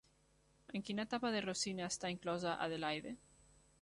En quina etapa de Rossini està inclosa Adelaide?